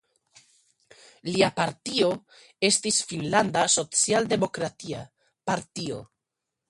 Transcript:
Lia partio estis Finnlanda Socialdemokratia Partio.